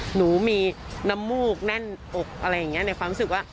หนูมีน้ำมูกแน่นอกอะไรอย่างนี้ในความรู้สึกว่า